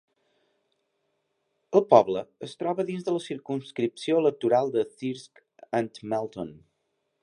El poble es troba dins de la circumscripció electoral de Thirsk and Malton.